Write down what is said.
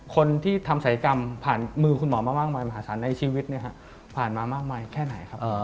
คนที่ทำศัยกรรมผ่านมือคุณหมอมามากมายมหาศาลในชีวิตผ่านมามากมายแค่ไหนครับ